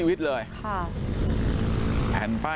สุดท้ายเนี่ยขี่รถหน้าที่ก็ไม่ยอมหยุดนะฮะ